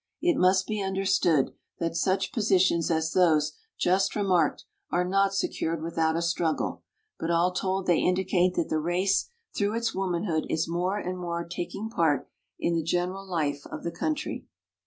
It must be under stood that such positions as those just re marked are not secured without a struggle, but all told they indicate that the race through its womanhood is more and more taking part in the general life of the country.